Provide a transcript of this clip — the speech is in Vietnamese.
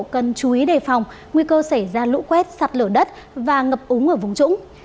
cần chú ý đề phòng nguy cơ xảy ra lũ quét sạt lở đất và ngập úng ở vùng trũng